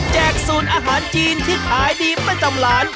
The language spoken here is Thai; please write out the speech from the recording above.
ศูนย์อาหารจีนที่ขายดีประจำร้าน